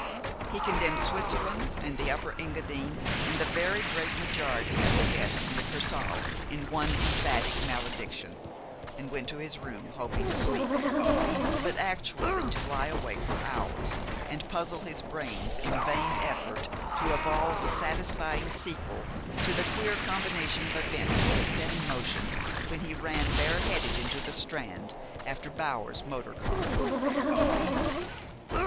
He condemned Switzerland, and the Upper Engadine, and the very great majority of the guests in the Kursaal, in one emphatic malediction, and went to his room, hoping to sleep, but actually to lie awake for hours and puzzle his brains in vain effort to evolve a satisfying sequel to the queer combination of events he had set in motion when he ran bare headed into the Strand after Bower's motor car.